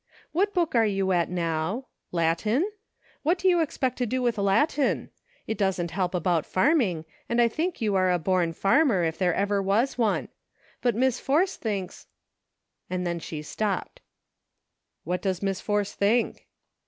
" What book are you at now ? Latin ? What do you expect to do with Latin ? It doesn't help about farming, and I think you are a born farmer, if there ever was one ; but Miss Force thinks," — and then she stopped. " What does Miss Force think